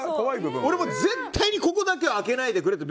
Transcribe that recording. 俺も絶対にここだけは開けないでくれって。